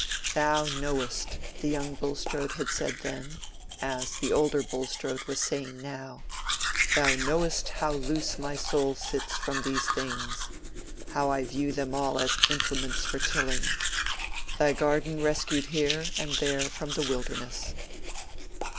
"Thou knowest,"—the young Bulstrode had said then, as the older Bulstrode was saying now—"Thou knowest how loose my soul sits from these things—how I view them all as implements for tilling Thy garden rescued here and there from the wilderness."